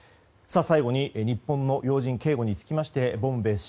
最後に日本の要人警護につきましてボムベース